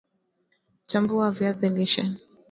Chambua viazi lishe